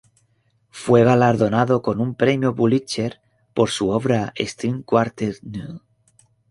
Fue galardonado con un Premio Pulitzer por su obra "String Quartet No.